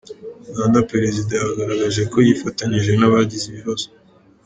Uganda Perezida yagaragaje ko yifatanyije n’abagize ibibazo